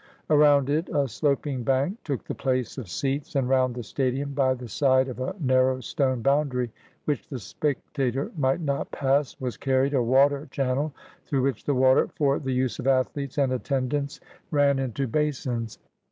Around it a sloping bank took the place of seats, and round the stadium by the side of a narrow stone boundary which the spectator might not pass, was carried a water channel, through which the water for the use of athletes and attendants ran into basins.